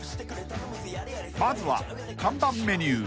［まずは看板メニュー］